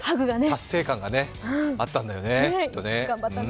達成感があったんだよねきっとね。